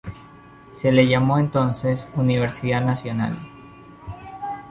Se le llamó entonces Universidad Nacional.